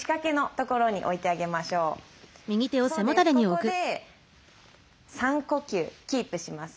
ここで３呼吸キープしますね。